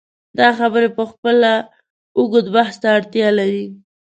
دا خبرې پخپله اوږد بحث ته اړتیا لري.